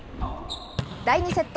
第２セット。